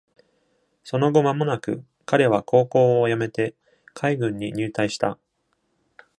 その後まもなく、彼は高校を辞めて海軍に入隊した。